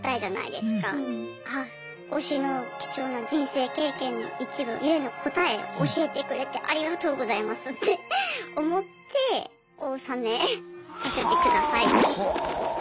推しの貴重な人生経験の一部ゆえの答えを教えてくれてありがとうございますって思ってお納めさせてくださいって。